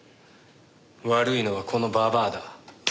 悪いのはこのババアだ。